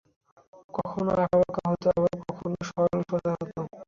কখনো আঁকাবাঁকা হত আবার কখনো সরল সোজা হত।